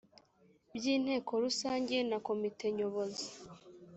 by inteko rusange na komite nyobozi